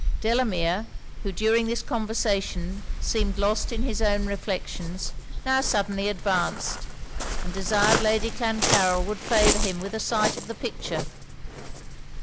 Delamere, who during this conversation seemed lost in his own reflections, now suddenly advanced, and desired Lady Clancarryl would favour him with a sight of the picture.